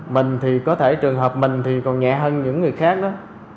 mình thì có thể trường hợp mình thì còn nhẹ hơn những người khác đó